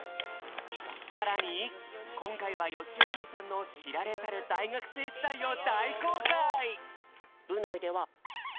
さらにこんかいはよしお兄さんのしられざる大学生時代を大公開！